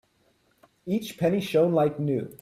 Each penny shone like new.